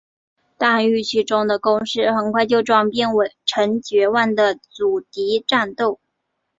但预期中的攻势很快就转变成绝望的阻敌战斗。